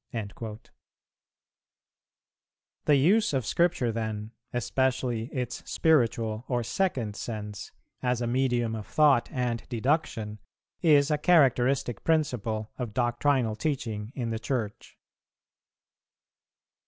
"[346:2] The use of Scripture then, especially its spiritual or second sense, as a medium of thought and deduction, is a characteristic principle of doctrinal teaching in the Church.